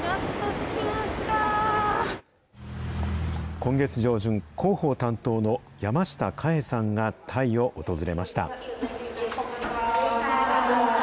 今月上旬、広報担当の山下華愛さんがタイを訪れました。